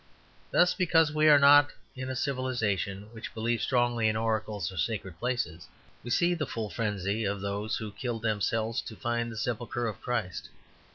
Thus, because we are not in a civilization which believes strongly in oracles or sacred places, we see the full frenzy of those who killed themselves to find the sepulchre of Christ.